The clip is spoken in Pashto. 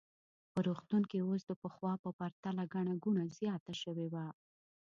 په روغتون کې اوس د پخوا په پرتله ګڼه ګوڼه زیاته شوې وه.